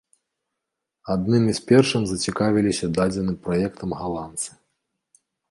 Аднымі з першых зацікавіліся дадзеным праектам галандцы.